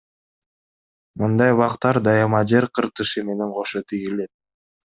Мындай бактар дайыма жер кыртышы менен кошо тигилет.